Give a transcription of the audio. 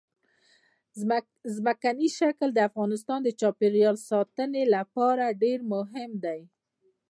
ځمکنی شکل د افغانستان د چاپیریال ساتنې لپاره ډېر مهم دي.